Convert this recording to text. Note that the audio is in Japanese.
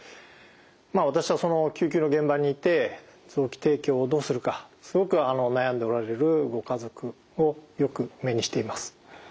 まあ私はその救急の現場にいて臓器提供をどうするかすごく悩んでおられるご家族をよく目にしています。